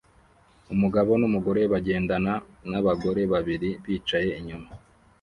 Umugabo numugore bagendana nabagore babiri bicaye inyuma